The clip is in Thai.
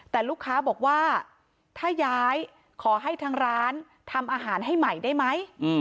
แต่ลูกค้าบอกว่าถ้าย้ายขอให้ทางร้านทำอาหารให้ใหม่ได้ไหม